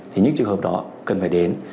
thì những trường hợp đó cần phải đến